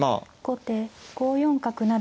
後手５四角成。